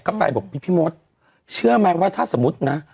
ก็ไปบอกพี่มดเชื่อไหมว่าถ้าสมมุตินะ